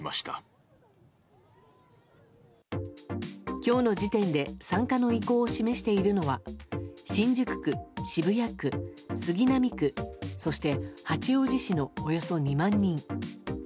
今日の時点で参加の意向を示しているのは新宿区、渋谷区、杉並区そして八王子市のおよそ２万人。